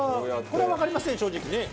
これはわかりません正直ね。